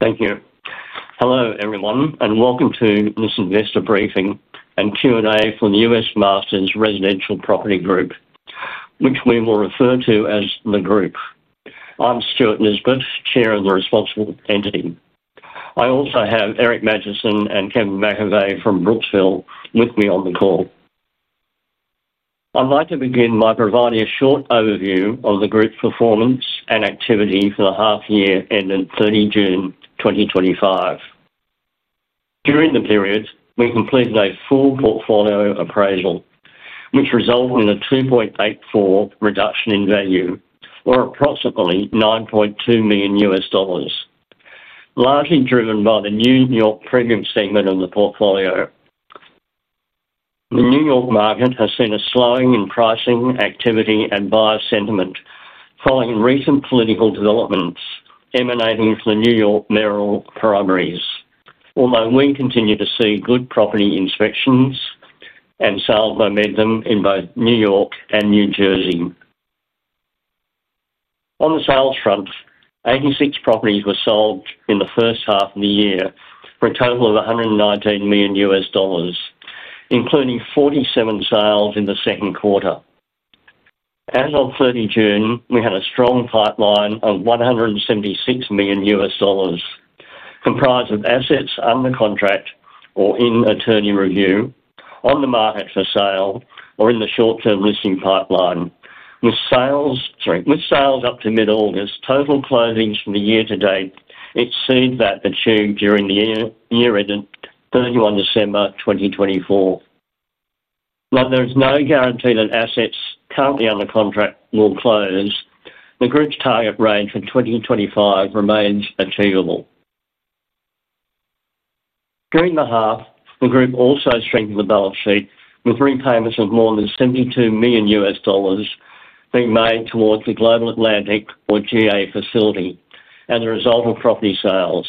Thank you. Hello everyone, and welcome to this investor briefing and Q&A for the US Masters Residential Property Fund, which we will refer to as the Fund. I'm Stuart Robert Nisbett, Chair of the Responsible Entity. I also have Eric Magidson and Kevin McAvey from Brooksville Company LLC with me on the call. I'd like to begin by providing a short overview of the Fund's performance and activity for the half year ended 30th June 2025. During the period, we completed a full portfolio appraisal, which resulted in a 2.84% reduction in value, or approximately $9.2 million, largely driven by the New York premium segment of the portfolio. The New York market has seen a slowing in pricing, activity, and buyer sentiment following recent political developments emanating from the New York City mayoral primaries, although we continue to see good property inspections and sales by median in both New York and New Jersey. On the sales front, 86 properties were sold in the first half of the year for a total of $119 million, including 47 sales in the second quarter. As of 30 June, we had a strong pipeline of $176 million, comprised of assets under contract or in attorney review, on the market for sale, or in the short-term listing pipeline. With sales up to mid-August, total closings from the year to date exceed that achieved during the year ended 31st December 2024. While there is no guarantee that assets currently under contract will close, the Fund's target rate for 2025 remains achievable. During the half, the Fund also strengthened the balance sheet with repayments of more than $72 million being made towards the Global Atlantic, or GA, facility as a result of property sales.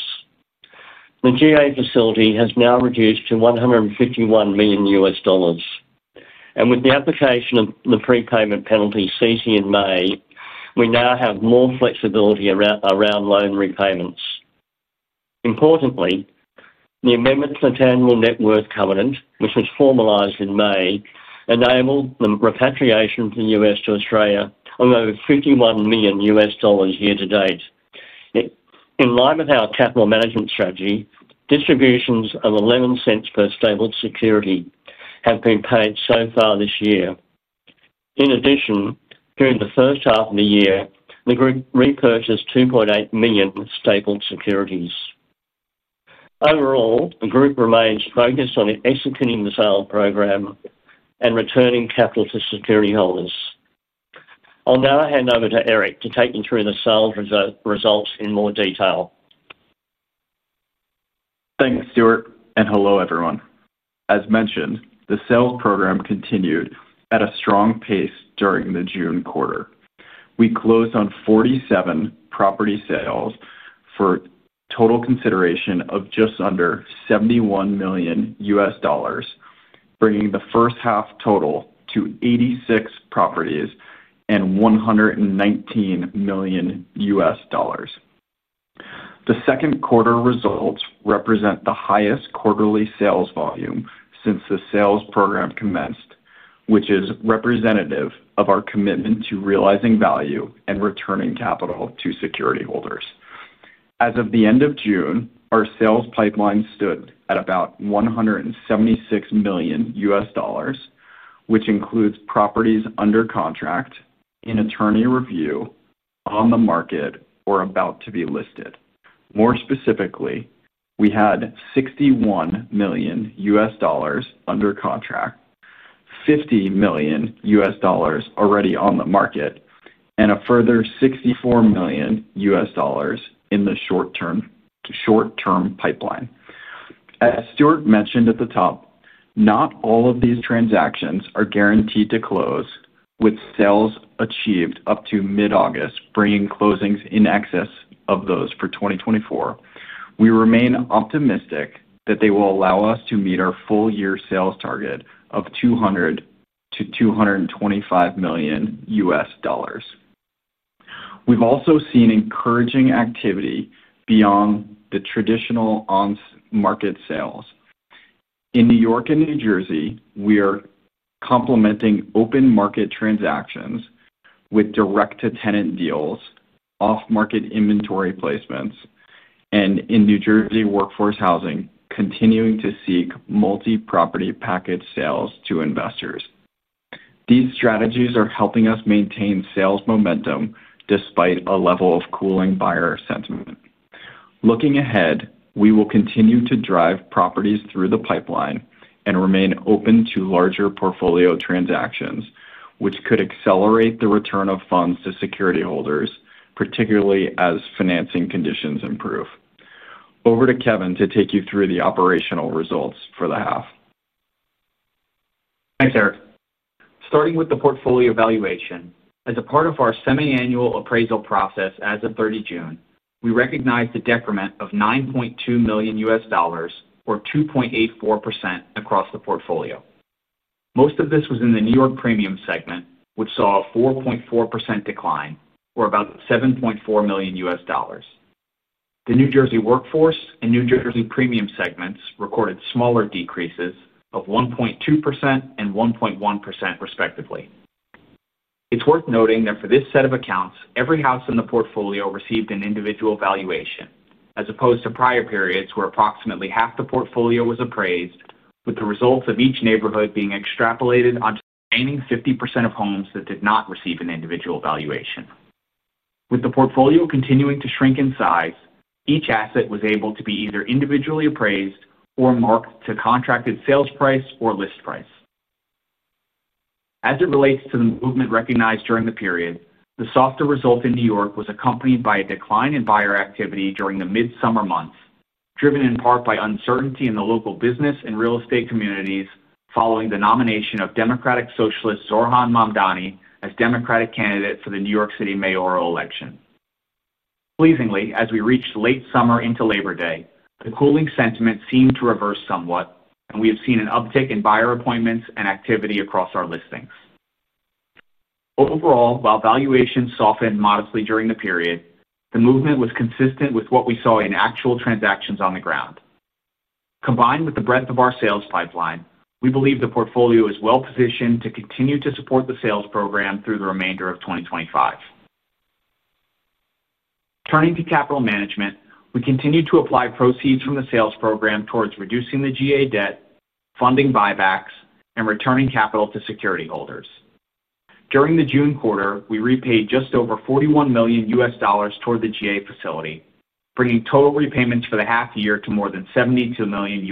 The GA facility has now reduced to $151 million, and with the application of the prepayment penalty ceasing in May, we now have more flexibility around loan repayments. Importantly, the amendment to the Tangible Net Worth Covenant, which was formalized in May, enabled the repatriation to Australia of over $51 million year to date. In line with our capital management strategy, distributions of $0.11 per stapled security have been paid so far this year. In addition, during the first half of the year, the Fund repurchased 2.8 million stapled securities. Overall, the Fund remains focused on executing the sale program and returning capital to security holders. I'll now hand over to Eric to take you through the sales results in more detail. Thanks, Stuart, and hello everyone. As mentioned, the sales program continued at a strong pace during the June quarter. We closed on 47 property sales for a total consideration of just under $71 million, bringing the first half total to 86 properties and $119 million. The second quarter results represent the highest quarterly sales volume since the sales program commenced, which is representative of our commitment to realizing value and returning capital to security holders. As of the end of June, our sales pipeline stood at about $176 million, which includes properties under contract, in attorney review, on the market, or about to be listed. More specifically, we had $61 million under contract, $50 million already on the market, and a further $64 million in the short-term pipeline. As Stuart mentioned at the top, not all of these transactions are guaranteed to close, with sales achieved up to mid-August, bringing closings in excess of those for 2024. We remain optimistic that they will allow us to meet our full-year sales target of $200 million-$225 million. We've also seen encouraging activity beyond the traditional on-market sales. In New York and New Jersey, we are complementing open market transactions with direct-to-ten a million deals, off-market inventory placements, and in New Jersey, workforce housing continuing to seek multi-property package sales to investors. These strategies are helping us maintain sales momentum despite a level of cooling buyer sentiment. Looking ahead, we will continue to drive properties through the pipeline and remain open to larger portfolio transactions, which could accelerate the return of funds to security holders, particularly as financing conditions improve. Over to Kevin to take you through the operational results for the half. Thanks, Eric. Starting with the portfolio valuation, as a part of our semi-annual appraisal process as of 30th June, we recognized a decrement of $9.2 million, or 2.84% across the portfolio. Most of this was in the New York premium segment, which saw a 4.4% decline, or about $7.4 million. The New Jersey workforce and New Jersey premium segments recorded smaller decreases of 1.2% and 1.1% respectively. It's worth noting that for this set of accounts, every house in the portfolio received an individual valuation, as opposed to prior periods where approximately half the portfolio was appraised, with the results of each neighborhood being extrapolated onto the remaining 50% of homes that did not receive an individual valuation. With the portfolio continuing to shrink in size, each asset was able to be either individually appraised or marked to contracted sales price or list price. As it relates to the movement recognized during the period, the softer result in New York was accompanied by a decline in buyer activity during the mid-summer months, driven in part by uncertainty in the local business and real estate communities following the nomination of Democratic Socialist Zoran Mamdani as Democratic candidate for the New York City mayoral election. Pleasingly, as we reached late summer into Labor Day, the cooling sentiment seemed to reverse somewhat, and we have seen an uptick in buyer appointments and activity across our listings. Overall, while valuations softened modestly during the period, the movement was consistent with what we saw in actual transactions on the ground. Combined with the breadth of our sales pipeline, we believe the portfolio is well positioned to continue to support the sales program through the remainder of 2025. Turning to capital management, we continue to apply proceeds from the sales program towards reducing the GA debt, funding buybacks, and returning capital to security holders. During the June quarter, we repaid just over $41 million toward the GA facility, bringing total repayments for the half year to more than $72 million.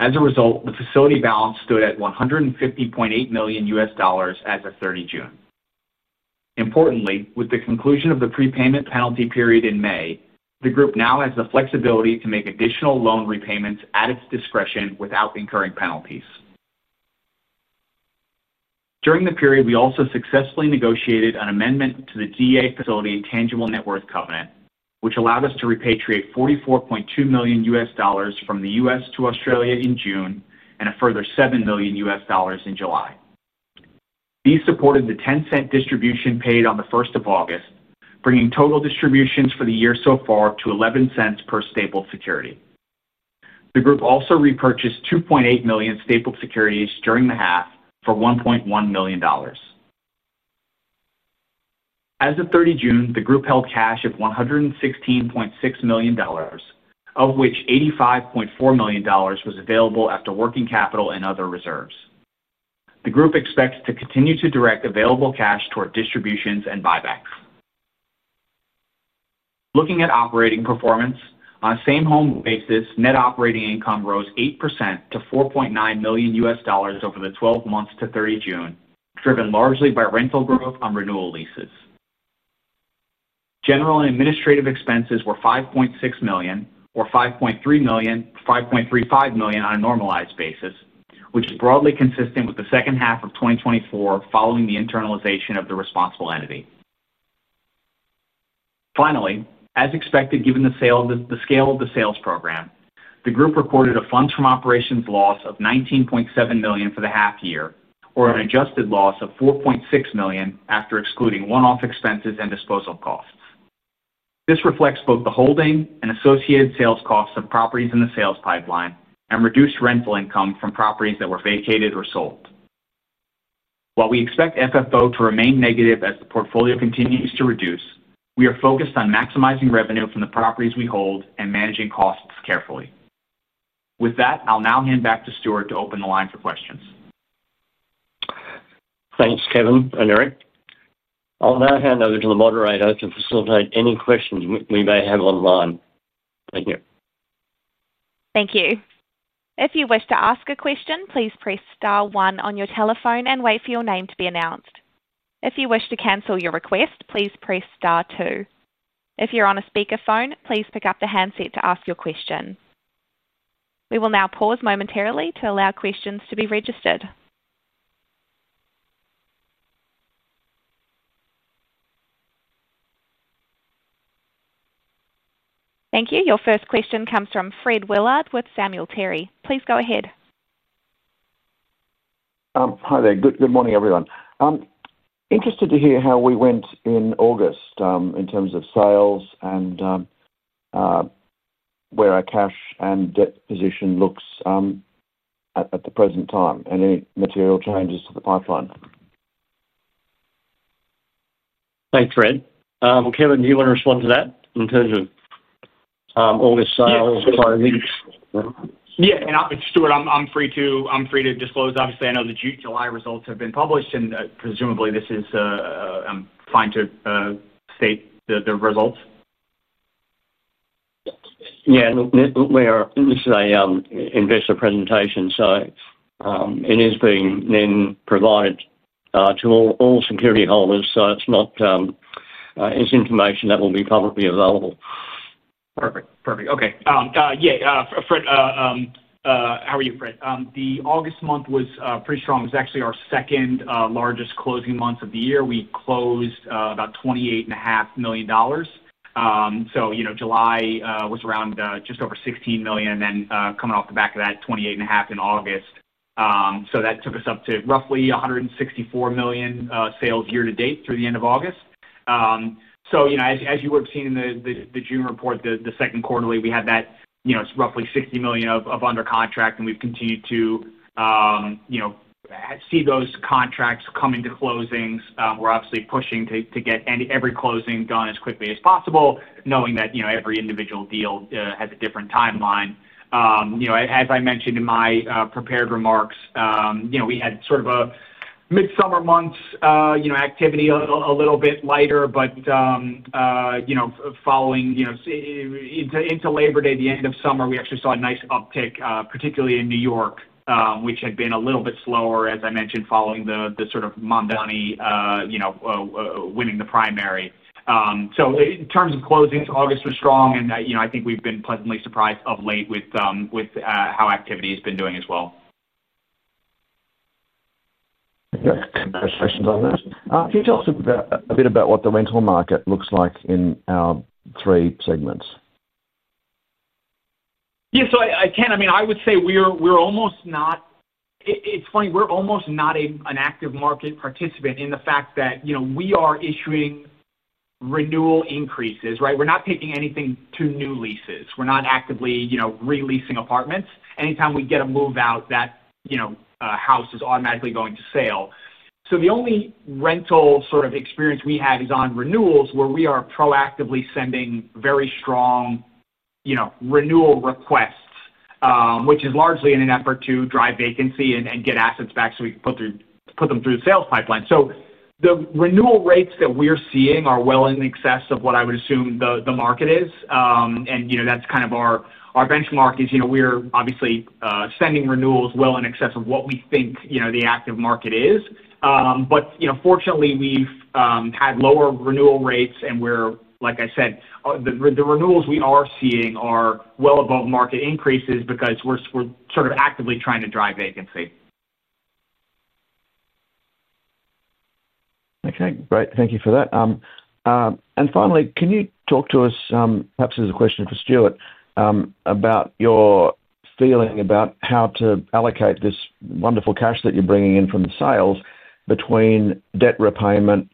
As a result, the facility balance stood at $150.8 million as of 30th June. Importantly, with the conclusion of the prepayment penalty period in May, the group now has the flexibility to make additional loan repayments at its discretion without incurring penalties. During the period, we also successfully negotiated an amendment to the GA facility Tangible Net Worth Covenant, which allowed us to repatriate $44.2 million from the U.S. to Australia in June and a further $7 million in July. These supported the $0.10 distribution paid on 1st August, bringing total distributions for the year so far to $0.11 per stapled security. The group also repurchased 2.8 million stapled securities during the half for $1.1 million. As of June 30th, the group held cash at $116.6 million, of which $85.4 million was available after working capital and other reserves. The group expects to continue to direct available cash toward distributions and buybacks. Looking at operating performance, on a same-home basis, net operating income rose 8% to $4.9 million over the 12 months to June 30th, driven largely by rental growth on renewal leases. General and administrative expenses were $5.6 million, or $5.35 million on a normalized basis, which is broadly consistent with the second half of 2024 following the internalization of the responsible entity. Finally, as expected, given the scale of the sales program, the group reported a funds from operations loss of $19.7 million for the half year, or an adjusted loss of $4.6 million after excluding one-off expenses and disposal costs. This reflects both the holding and associated sales costs of properties in the sales pipeline and reduced rental income from properties that were vacated or sold. While we expect FFO to remain negative as the portfolio continues to reduce, we are focused on maximizing revenue from the properties we hold and managing costs carefully. With that, I'll now hand back to Stuart to open the line for questions. Thanks, Kevin and Eric. I'll now hand over to the moderator to facilitate any questions we may have online. Thank you. Thank you. If you wish to ask a question, please press star one on your telephone and wait for your name to be announced. If you wish to cancel your request, please press star two. If you're on a speakerphone, please pick up the handset to ask your question. We will now pause momentarily to allow questions to be registered. Thank you. Your first question comes from Fred Woollard with Samuel Terry. Please go ahead. Hi there. Good morning everyone. I'm interested to hear how we went in August in terms of sales, where our cash and debt position looks at the present time, and any material changes to the pipeline. Thanks, Fred. Kevin, you want to respond to that in terms of August sales by release? Yeah, Stuart, I'm free to disclose. Obviously, I know the June-July results have been published, and presumably this is fine to state the results. Yeah, this is an investor presentation, so it is being provided to all security holders. It's information that will be publicly available. Perfect, perfect. Okay. Yeah, Fred, how are you, Fred? The August month was pretty strong. It was actually our second largest closing month of the year. We closed about $28.5 million. July was around just over $16 million and then coming off the back of that $28.5 million in August. That took us up to roughly $164 million sales year to date through the end of August. As you would have seen in the June report, the second quarterly, we had that, it's roughly $60 million of under contract and we've continued to see those contracts come into closings. We're obviously pushing to get every closing done as quickly as possible, knowing that every individual deal has a different timeline. As I mentioned in my prepared remarks, we had sort of a mid-summer months activity a little bit lighter, but following into Labor Day, the end of summer, we actually saw a nice uptick, particularly in New York, which had been a little bit slower, as I mentioned, following the sort of Mamdani winning the primary. In terms of closings, August was strong and I think we've been pleasantly surprised of late with how activity has been doing as well. Thank you. Any questions on that? Can you tell us a bit about what the rental market looks like in our three segments? Yeah, I would say we're almost not, it's funny, we're almost not an active market participant in the fact that, you know, we are issuing renewal increases, right? We're not taking anything to new leases. We're not actively, you know, releasing apartments. Anytime we get a move out, that house is automatically going to sale. The only rental sort of experience we have is on renewals where we are proactively sending very strong, you know, renewal requests, which is largely in an effort to drive vacancy and get assets back so we can put them through the sales pipeline. The renewal rates that we're seeing are well in excess of what I would assume the market is. That's kind of our benchmark. We're obviously sending renewals well in excess of what we think, you know, the active market is. Fortunately, we've had lower renewal rates and, like I said, the renewals we are seeing are well above market increases because we're sort of actively trying to drive vacancy. Okay, great. Thank you for that. Finally, can you talk to us, perhaps as a question for Stuart, about your feeling about how to allocate this wonderful cash that you're bringing in from the sales between debt repayment,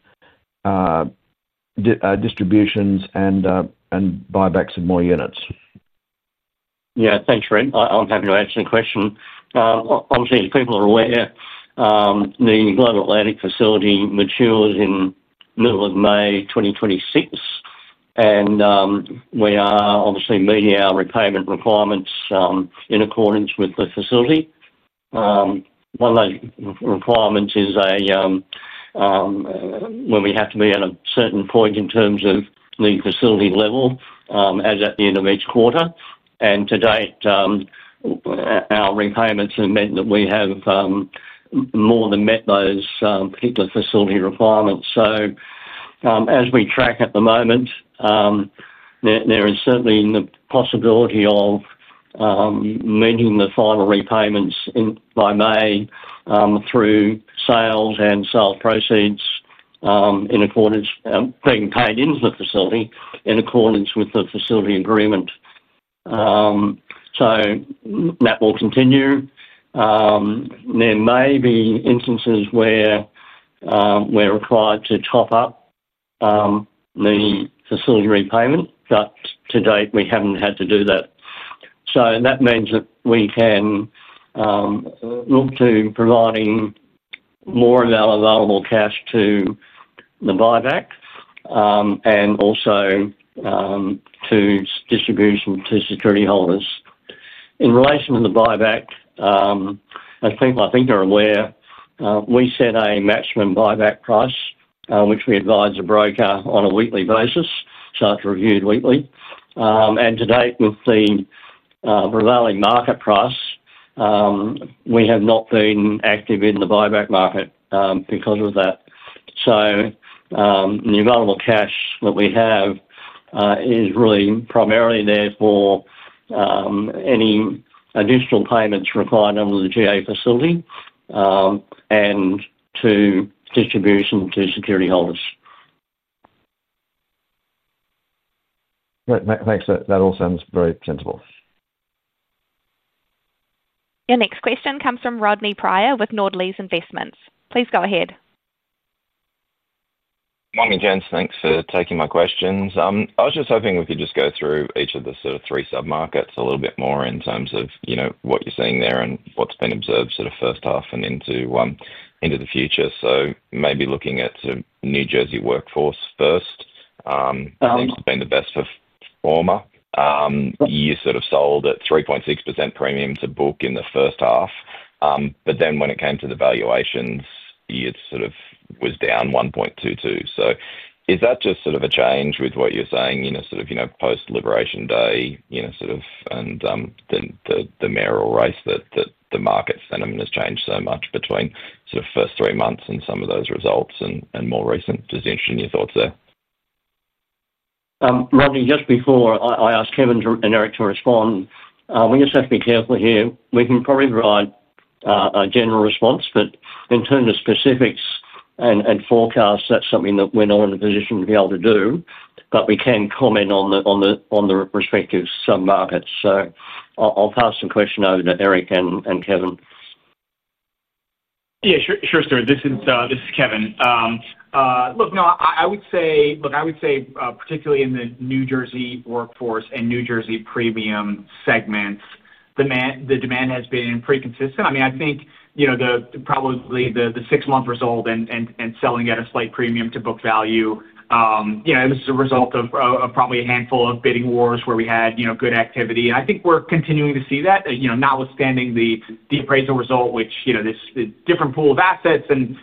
distributions, and buybacks of more units? Yeah. Thanks, Fred. I'll have you answer the question. Obviously, as people are aware, the Global Atlantic facility matures in the middle of May 2026, and we are obviously meeting our repayment requirements in accordance with the facility. One of the requirements is when we have to be at a certain point in terms of the facility level, as at the end of each quarter. To date, our repayments have meant that we have more than met those particular facility requirements. As we track at the moment, there is certainly the possibility of meeting the final repayments by May through sales and sale proceeds being paid into the facility in accordance with the facility agreement. That will continue. There may be instances where we're required to top up the facility repayment, but to date, we haven't had to do that. That means that we can look to providing more of our available cash to the buyback and also to distribution to security holders. In relation to the buyback, as people, I think, are aware, we set a matchman buyback price, which we advise a broker on a weekly basis, so it's reviewed weekly. To date, with the prevailing market price, we have not been active in the buyback market because of that. The available cash that we have is really primarily there for any additional payments required under the GA facility and to distribution to security holders. That all sounds very sensible. Your next question comes from Rodney Prior with Nord Lease Investments. Please go ahead. Morning, James. Thanks for taking my questions. I was just hoping we could go through each of the three submarkets a little bit more in terms of what you're seeing there and what's been observed in the first half and into the future. Maybe looking at New Jersey workforce first, it seems to have been the best performer. You sold at 3.6% premium to book in the first half, but then when it came to the valuations, you were down 1.22%. Is that just a change with what you're saying post-Liberation Day and the mayoral race, that the market sentiment has changed so much between the first three months and some of those results and the more recent position? Your thoughts there? Rodney, just before I ask Kevin and Eric to respond, we just have to be careful here. We can probably provide a general response, but in terms of specifics and forecasts, that's something that we're not in a position to be able to do. We can comment on the respective submarkets. I'll pass the question over to Eric and Kevin. Yeah, sure, Stuart. This is Kevin. No, I would say, particularly in the New Jersey workforce and New Jersey premium segments, the demand has been pretty consistent. I think probably the six-month result and selling at a slight premium to book value, and this is a result of probably a handful of bidding wars where we had good activity. I think we're continuing to see that, notwithstanding the appraisal result, which, this different pool of assets and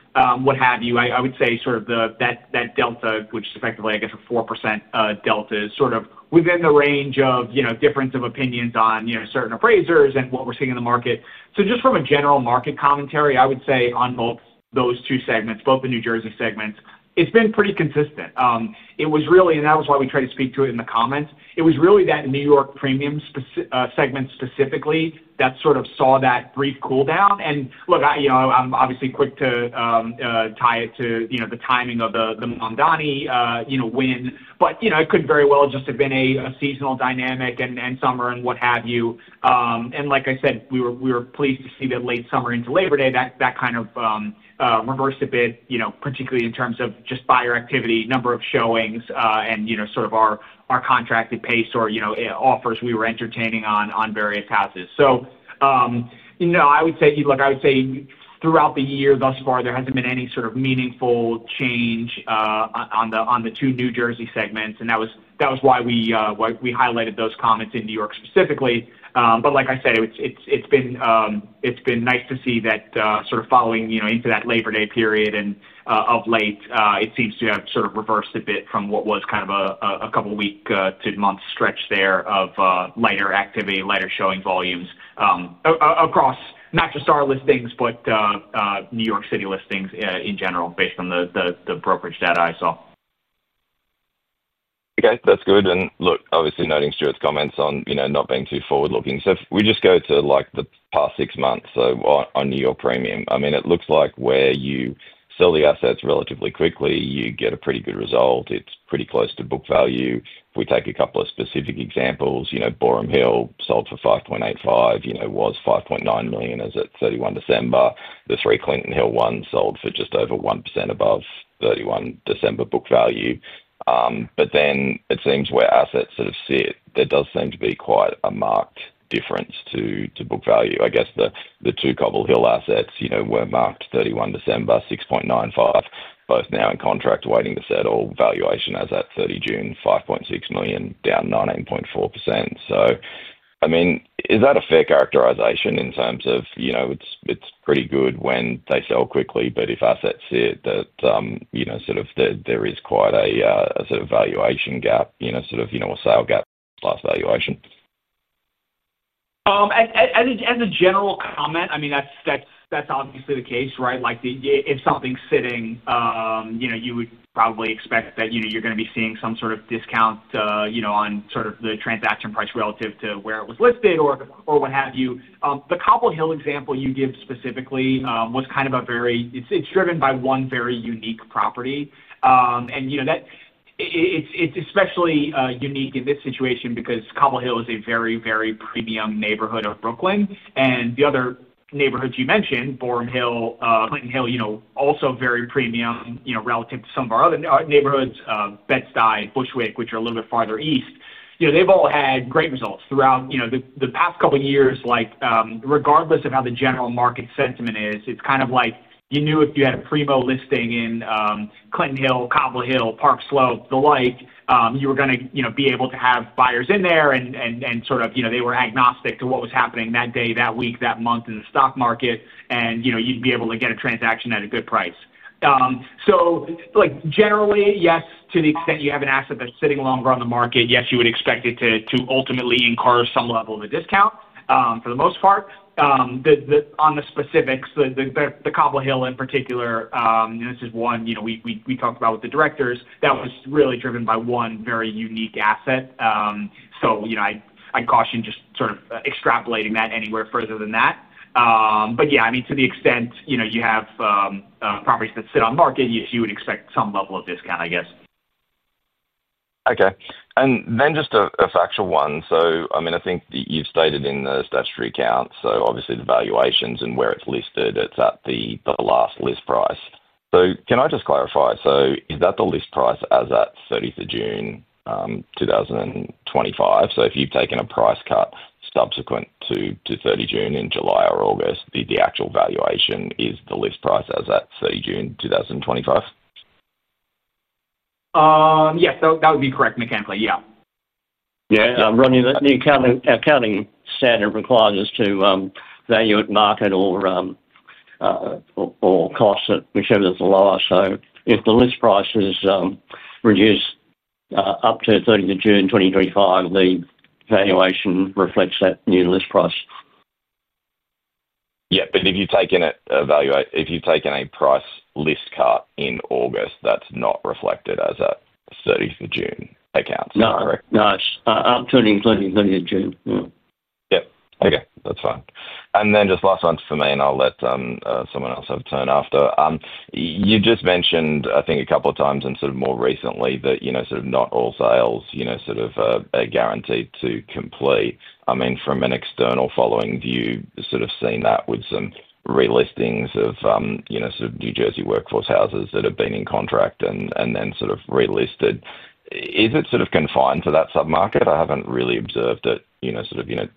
what have you, I would say sort of that delta, which is effectively, I guess, a 4% delta, is sort of within the range of difference of opinions on certain appraisers and what we're seeing in the market. Just from a general market commentary, I would say on both those two segments, both the New Jersey segments, it's been pretty consistent. That was why we tried to speak to it in the comments. It was really that New York premium segment specifically that saw that brief cooldown. I'm obviously quick to tie it to the timing of the Mamdani win, but it could very well just have been a seasonal dynamic and summer and what have you. Like I said, we were pleased to see that late summer into Labor Day, that kind of reversed a bit, particularly in terms of just buyer activity, number of showings, and sort of our contracted pace or offers we were entertaining on various houses. I would say, throughout the year thus far, there hasn't been any sort of meaningful change on the two New Jersey segments, and that was why we highlighted those comments in New York specifically. Like I said, it's been nice to see that following into that Labor Day period and of late, it seems to have sort of reversed a bit from what was kind of a couple of week to month stretch there of lighter activity, lighter showing volumes across not just our listings, but New York City listings in general, based on the brokerage data I saw. Okay, that's good. Obviously, noting Stuart's comments on not being too forward-looking. If we just go to the past six months, on New York premium, it looks like where you sell the assets relatively quickly, you get a pretty good result. It's pretty close to book value. If we take a couple of specific examples, Boerum Hill sold for $5.85 million, was $5.9 million as at 31st December. The three Clinton Hill ones sold for just over 1% above 31st December book value. It seems where assets sort of sit, there does seem to be quite a marked difference to book value. I guess the two Cobble Hill assets were marked 31st December $6.95 million, both now in contract waiting to settle. Valuation as at 30th June, $5.6 million, down 19.4%. Is that a fair characterization in terms of it's pretty good when they sell quickly, but if assets sit, there is quite a valuation gap, a sale gap plus valuation. As a general comment, that's obviously the case, right? Like if something's sitting, you would probably expect that you're going to be seeing some sort of discount on the transaction price relative to where it was listed or what have you. The Cobble Hill example you give specifically was kind of a very, it's driven by one very unique property. It's especially unique in this situation because Cobble Hill is a very, very premium neighborhood of Brooklyn. The other neighborhoods you mentioned, Boerum Hill, Clinton Hill, also very premium relative to some of our other neighborhoods, Bed-Stuy, Bushwick, which are a little bit farther east, they've all had great results throughout the past couple of years. Regardless of how the general market sentiment is, it's kind of like you knew if you had a primo listing in Clinton Hill, Cobble Hill, Park Slope, the like, you were going to be able to have buyers in there and they were agnostic to what was happening that day, that week, that month in the stock market. You'd be able to get a transaction at a good price. Generally, yes, to the extent you have an asset that's sitting longer on the market, yes, you would expect it to ultimately incur some level of a discount for the most part. On the specifics, the Cobble Hill in particular, this is one we talked about with the directors that was really driven by one very unique asset. I'd caution just extrapolating that anywhere further than that. To the extent you have properties that sit on market, yes, you would expect some level of discount, I guess. Okay. Just a factual one. I think that you've stated in the statutory account, the valuations and where it's listed, it's at the last list price. Can I just clarify, is that the list price as at June 30th, 2025? If you've taken a price cut subsequent to June 30th in July or August, the actual valuation is the list price as at June 30th, 2025? Yes, that would be correct mechanically. Yeah. Yeah, Rodney, the accounting standard requires us to value it at market or cost, whichever is the lower. If the list price is reduced up to June 30th, 2025, the valuation reflects that new list price. Yeah, if you've taken a price list cut in August, that's not reflected as a 30th June account. No, no, it's up to and including 30th Jun. Okay, that's fine. Just last ones for me, I'll let someone else have a turn after. You just mentioned, I think, a couple of times and more recently that not all sales are guaranteed to complete. From an external following view, we've seen that with some relistings of New Jersey workforce houses that have been in contract and then relisted. Is it confined to that submarket? I haven't really observed it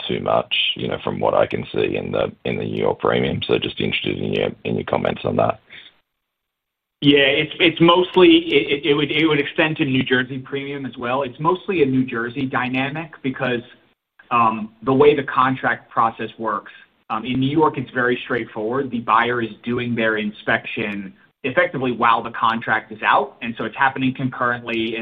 too much from what I can see in the New York premium. Just interested in your comments on that. Yeah, it would extend to New Jersey premium as well. It's mostly a New Jersey dynamic because the way the contract process works in New York, it's very straightforward. The buyer is doing their inspection effectively while the contract is out, so it's happening concurrently.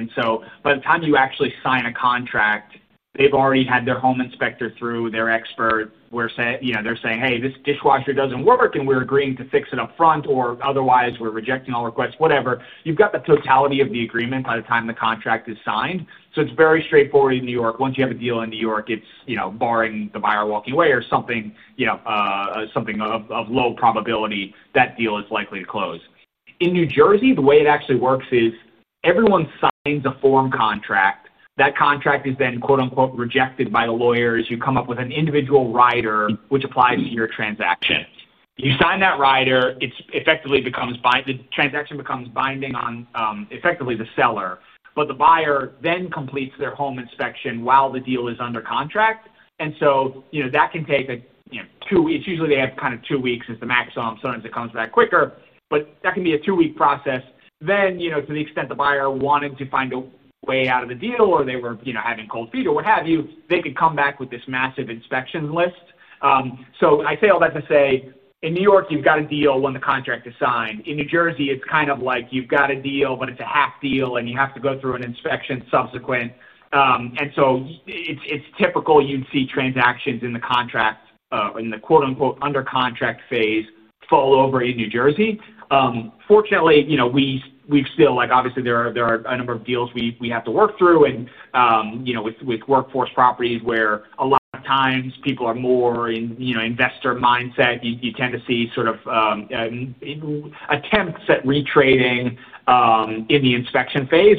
By the time you actually sign a contract, they've already had their home inspector through, their expert, where they're saying, "Hey, this dishwasher doesn't work," and we're agreeing to fix it up front or otherwise we're rejecting all requests, whatever. You've got the totality of the agreement by the time the contract is signed. It's very straightforward in New York. Once you have a deal in New York, barring the buyer walking away or something of low probability, that deal is likely to close. In New Jersey, the way it actually works is everyone signs a form contract. That contract is then "rejected" by the lawyers. You come up with an individual rider, which applies to your transaction. You sign that rider, it effectively becomes binding. The transaction becomes binding on the seller, but the buyer then completes their home inspection while the deal is under contract. That can take two weeks. Usually, they have two weeks as the maximum. Sometimes it comes back quicker, but that can be a two-week process. To the extent the buyer wanted to find a way out of the deal or they were having cold feet or what have you, they could come back with this massive inspection list. I say all that to say in New York, you've got a deal when the contract is signed. In New Jersey, it's kind of like you've got a deal, but it's a half deal and you have to go through an inspection subsequent. It's typical you'd see transactions in the "under contract" phase fall over in New Jersey. Fortunately, there are a number of deals we have to work through and with workforce property, where a lot of times people are more in an investor mindset, you tend to see attempts at retrading in the inspection phase.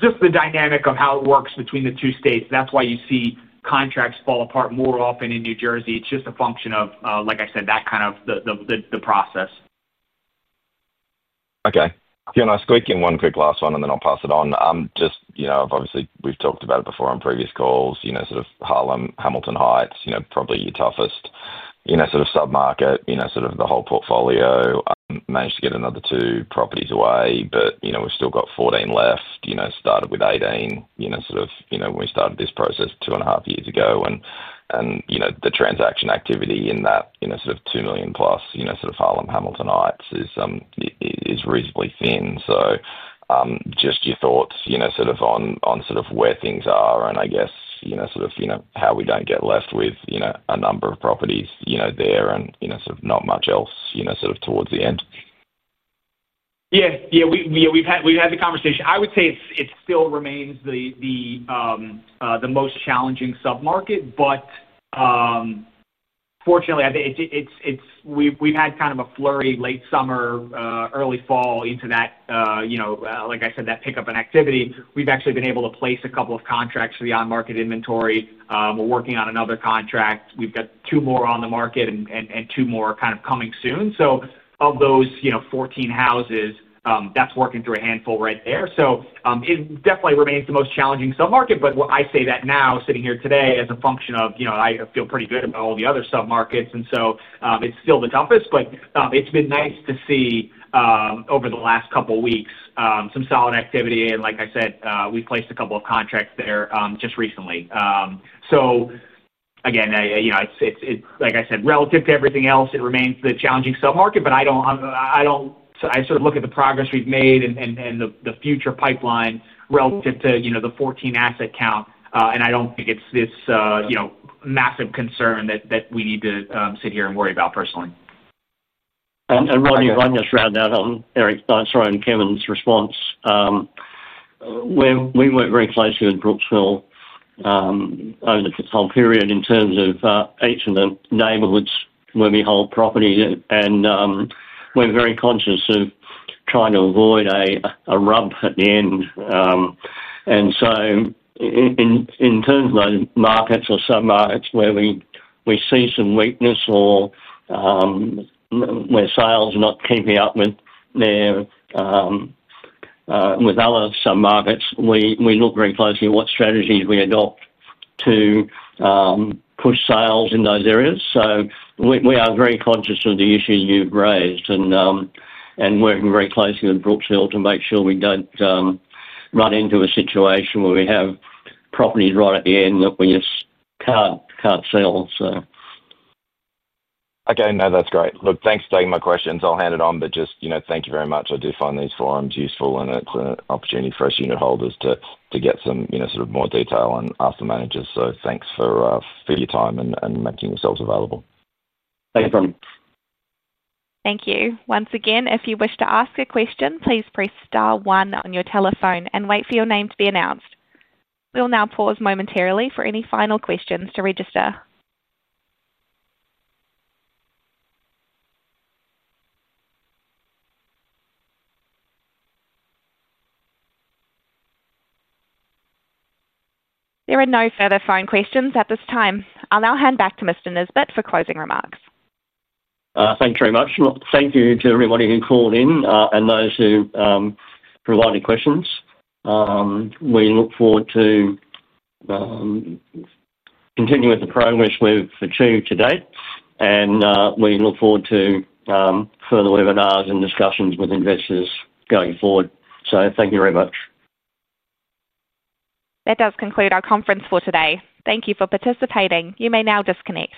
Just the dynamic of how it works between the two states, that's why you see contracts fall apart more often in New Jersey. It's just a function of that kind of process. Okay. Fiona, squeak in one quick last one and then I'll pass it on. Obviously, we've talked about it before on previous calls, sort of Harlem, Hamilton Heights, probably your toughest sort of submarket in the whole portfolio. Managed to get another two properties away, but we've still got 14 left. Started with 18 when we started this process two and a half years ago. The transaction activity in that $2 million+ Harlem, Hamilton Heights is reasonably thin. Just your thought on where things are and I guess how we don't get left with a number of properties there and not much else towards the end. Yeah, we've had the conversation. I would say it still remains the most challenging submarket, but fortunately, we've had kind of a flurry late summer, early fall into that, like I said, that pickup in activity. We've actually been able to place a couple of contracts for the on-market inventory. We're working on another contract. We've got two more on the market and two more coming soon. Of those 14 houses, that's working through a handful right there. It definitely remains the most challenging submarket. I say that now sitting here today as a function of, you know, I feel pretty good about all the other submarkets. It's still the toughest, but it's been nice to see over the last couple of weeks some solid activity. Like I said, we've placed a couple of contracts there just recently. Again, like I said, relative to everything else, it remains the challenging submarket. I sort of look at the progress we've made and the future pipeline relative to the 14 asset count, and I don't think it's this massive concern that we need to sit here and worry about personally. Rodney, if I can just round out on Eric, I'm sorry, on Kevin's response. We weren't very close here in Brooksville over the long period in terms of each of the neighborhoods where we hold properties, and we're very conscious of trying to avoid a rub at the end. In terms of those markets or submarkets where we see some weakness or where sales are not keeping up with other submarkets, we look very closely at what strategies we adopt to push sales in those areas. We are very conscious of the issues you've raised and working very closely with Brooksville to make sure we don't run into a situation where we have properties right at the end that we just can't sell. Okay, that's great. Thanks for taking my questions. I'll hand it on. Thank you very much. I do find these forums useful, and it's an opportunity for us unit holders to get some more detail and ask the managers. Thanks for your time and making yourselves available. Thanks, Rodney. Thank you. Once again, if you wish to ask a question, please press star one on your telephone and wait for your name to be announced. We'll now pause momentarily for any final questions to register. There are no further phone questions at this time. I'll now hand back to Mr. Nisbett for closing remarks. Thanks very much. Thank you to everybody who called in and those who provided questions. We look forward to continuing with the progress we've achieved to date, and we look forward to further webinars and discussions with investors going forward. Thank you very much. That does conclude our conference for today. Thank you for participating. You may now disconnect.